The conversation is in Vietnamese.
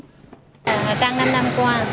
hồi ta năm năm qua